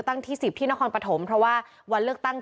กรุงเทพฯมหานครทำไปแล้วนะครับ